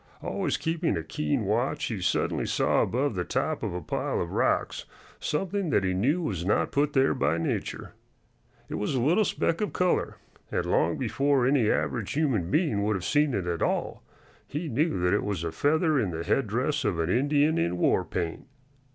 Always keeping a keen watch, he suddenly saw above the top of a pile of rocks something that he knew was not put there by nature. It was a little speck of color, and long before any average human being would have seen it at all he knew that it was a feather in the headdress of an Indian in war paint.